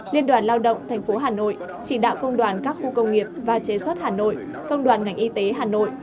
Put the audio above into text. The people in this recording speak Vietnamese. liên đoàn lao động tp hà nội chỉ đạo công đoàn các khu công nghiệp và chế xuất hà nội công đoàn ngành y tế hà nội